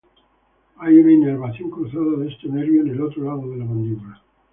Hay una inervación cruzada de este nervio en el otro lado de la mandíbula.